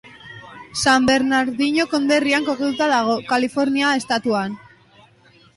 San Bernardino konderrian kokatuta dago, Kalifornia estatuan.